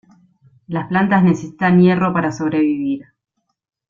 Las plantas necesitan hierro para sobrevivir.